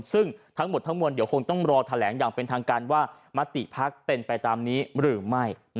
ซึ่งทั้งหมดทั้งมวลเดี๋ยวคงต้องรอแถลงอย่างเป็นทางการว่ามติพักเป็นไปตามนี้หรือไม่